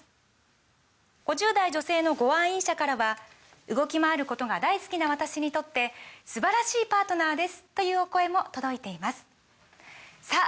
５０代女性のご愛飲者からは「動きまわることが大好きな私にとって素晴らしいパートナーです！」というお声も届いていますさあ